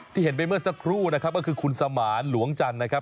เห็นไปเมื่อสักครู่นะครับก็คือคุณสมานหลวงจันทร์นะครับ